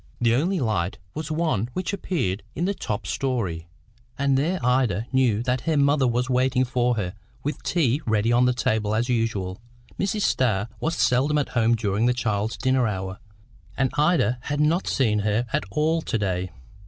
The only light was one which appeared in the top storey, and there Ida knew that her mother was waiting for her, with tea ready on the table as usual. Mrs. Starr was seldom at home during the child's dinner hour, and Ida had not seen her at all to day.